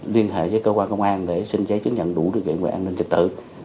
liên hệ với cơ quan công an để xin giấy chứng nhận đủ điều kiện về an ninh trật tự